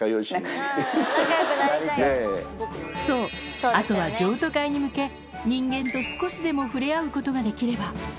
そう、あとは譲渡会に向け、人間と少しでも触れ合うことができれば。